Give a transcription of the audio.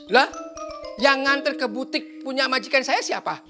lah yang ngantre ke butik punya majikan saya siapa